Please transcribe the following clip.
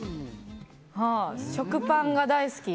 食パンが大好き？